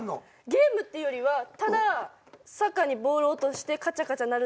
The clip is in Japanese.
ゲームっていうよりはただ坂にボールを落としてかちゃかちゃ鳴るのを楽しむ。